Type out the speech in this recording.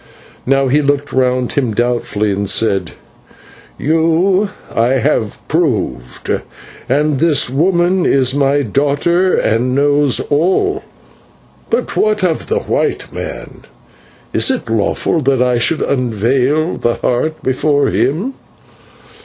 Now he looked round him doubtfully, and said, "You I have proved, and this woman is my daughter and knows all; but what of the white man? Is it lawful that I should unveil the Heart before him?"